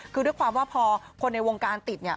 คือด้วยความว่าพอคนในวงการติดเนี่ย